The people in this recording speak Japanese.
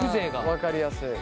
分かりやすい。